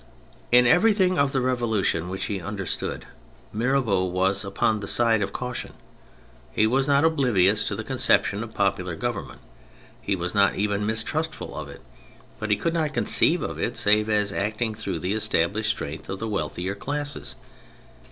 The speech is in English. In everything of the Revolution which he understood Mirabeau was upon the side of caution. He w^as not oblivious to the concep tion of popular government, he was not even mistrustful of it, but he could not conceive of it save as acting through the established strength of the wealthier classes.